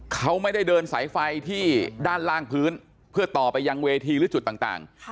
เขาไม่ได้เดินสายไฟที่ด้านล่างพื้นเพื่อต่อไปยังเวทีหรือจุดต่าง